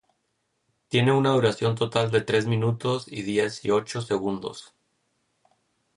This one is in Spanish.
Tiene una duración total de tres minutos y diez y ocho segundos.